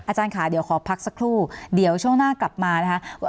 อาจารย์ค่ะเดี๋ยวขอพักสักครู่เดี๋ยวช่วงหน้ากลับมานะคะ